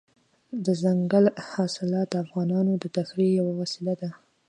دځنګل حاصلات د افغانانو د تفریح یوه وسیله ده.